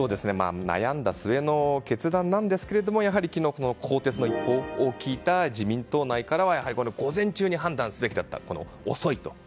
悩んだ末の決断なんですが昨日、更迭の一報を聞いた自民党内からは午前中に判断すべきだった遅いと。